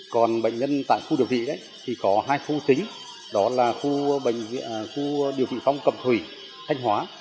còn bệnh nhân tại khu điều trị thì có hai khu chính đó là khu điều trị phong cầm thủy thanh hóa